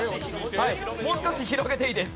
はいもう少し広げていいです。